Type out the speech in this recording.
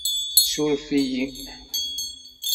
Ssuref-iyi!